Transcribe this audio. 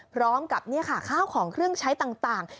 พร้อมกับข้าวของเครื่องใช้ต่าง